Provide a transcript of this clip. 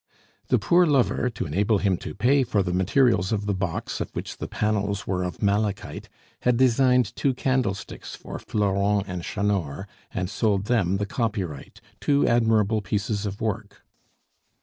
The poor lover, to enable him to pay for the materials of the box, of which the panels were of malachite, had designed two candlesticks for Florent and Chanor, and sold them the copyright two admirable pieces of work.